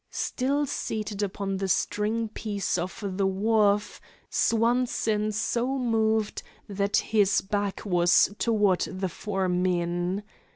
Still seated upon the stringpiece of the wharf, Swanson so moved that his back was toward the four men.